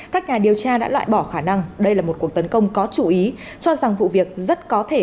các nhà điều tra đã loại bỏ khả năng đây là một cuộc tấn công có chú ý cho rằng vụ việc rất có thể